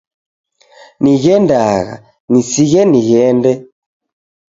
Nighendagha nisighe nighende.